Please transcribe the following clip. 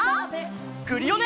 クリオネ！